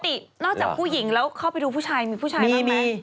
นอกจากผู้หญิงแล้วเข้าไปดูผู้ชายมีผู้ชายบ้างไหม